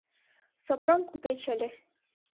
— Сопром купеч ыле.